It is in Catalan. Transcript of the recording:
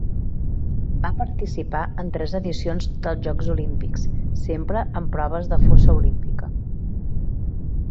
Va participar en tres edicions dels Jocs Olímpics, sempre en proves de fossa olímpica.